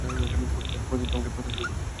তোমাকে বলেছিলাম আমি নিয়ে আসবো।